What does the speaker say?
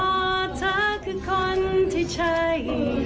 ก็เพราะเธอคือคนที่ใช่